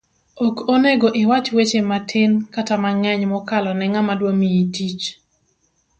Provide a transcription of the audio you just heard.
ok onego iwach weche matin kata mang'eny mokalo ne ng'ama dwamiyi tich